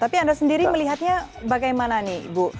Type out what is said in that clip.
tapi anda sendiri melihatnya bagaimana nih bu